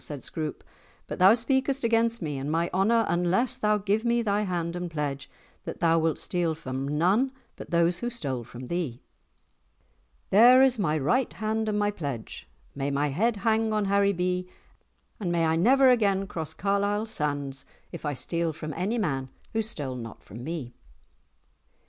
said Scroope; "but thou speakest against me and my honour unless thou give me thy hand and pledge that thou wilt steal from none but those who stole from thee." "There is my right hand and pledge! May my head hang on Haribee, and may I never again cross Carlisle sands if I steal from any man who stole not from me."